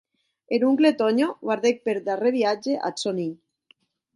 Er oncle Tònho guardèc per darrèr viatge ath sòn hilh.